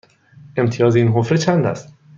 امتیاز این حفره چند است؟